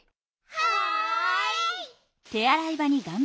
はい！